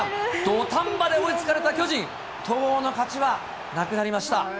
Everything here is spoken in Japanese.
土壇場で追いつかれた巨人、戸郷の勝ちはなくなりました。